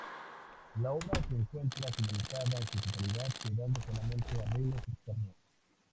La obra se encuentra finalizada en su totalidad, quedando solamente arreglos externos.